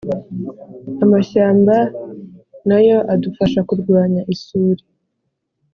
amashyamba na yo adufasha kurwanya isuri.